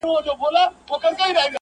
پوهنتون د میني ولوله که غواړې,